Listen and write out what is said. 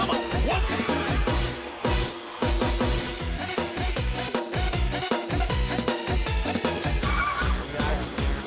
พลอย